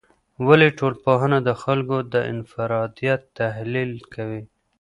ولي ټولنپوهنه د خلګو د انفرادیت تحلیل کوي؟